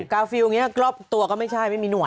กาฟิลอย่างนี้รอบตัวก็ไม่ใช่ไม่มีหน่ว